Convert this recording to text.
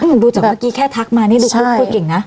ดูจากเมื่อกี้แค่ทักมานี่ดูเก่งนะ